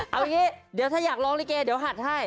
เอาอย่างนี้เดี๋ยวถ้าอยากร้องลิเกเดี๋ยวหัดให้